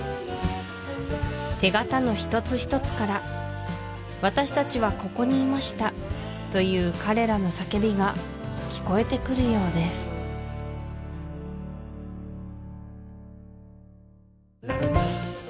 手形の一つ一つから私たちはここにいましたという彼らの叫びが聞こえてくるようですあっ！！！